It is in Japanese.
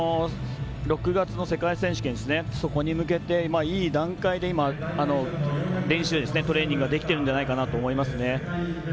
６月の世界選手権に向けて練習、トレーニングができているんではないかと思います。